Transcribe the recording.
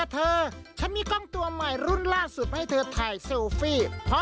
เธอฉันมีกล้องตัวใหม่รุ่นล่าสุดมาให้เธอถ่ายเซลฟี่